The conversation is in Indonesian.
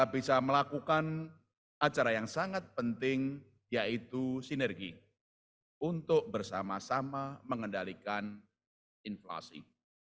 bisa melakukan acara yang sangat penting yaitu sinergi untuk bersama sama mengendalikan inflasi